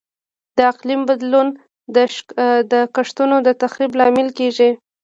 د اقلیم بدلون د کښتونو د تخریب لامل کیږي.